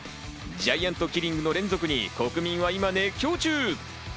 ジャイアントキリングの連続に国民は今、熱狂中。